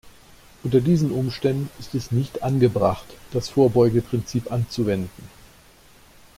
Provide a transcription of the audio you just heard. Unter diesen Umständen ist es nicht angebracht, das Vorbeugeprinzip anzuwenden.